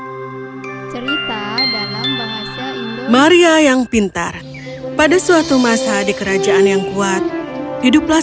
hai cerita dalam bahasa indonesia yang pintar pada suatu masa di kerajaan yang kuat hiduplah